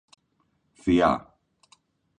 Θεία!